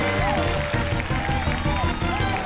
นี่